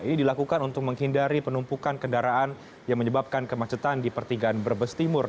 ini dilakukan untuk menghindari penumpukan kendaraan yang menyebabkan kemacetan di pertigaan brebes timur